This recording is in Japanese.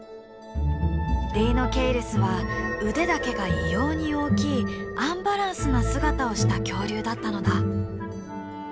デイノケイルスは腕だけが異様に大きいアンバランスな姿をした恐竜だったのだ。